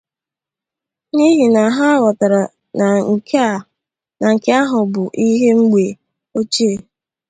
n'ihi na ha ghọtara na nke ahụ bụ ihe mgbe ochie.